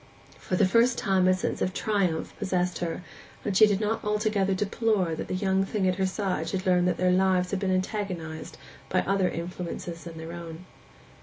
For the first time a sense of triumph possessed her, and she did not altogether deplore that the young thing at her side should learn that their lives had been antagonized by other influences than their own.